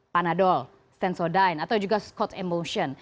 panadol stensodyne atau juga scott emulsion